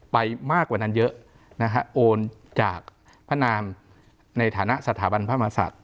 ไปมากกว่านั้นเยอะนะฮะโอนจากพระนามในฐานะสถาบันพระมหาศัตริย